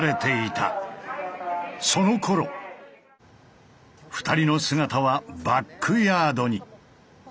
そのころ２人の姿はバックヤードに。